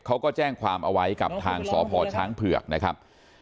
เขาก็แจ้งความเอาไว้กับทางสพช้างเผือกนะครับ